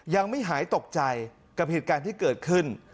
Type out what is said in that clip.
ยังไม่หายตกใจกับเหตุการณ์ที่เกิดขึ้น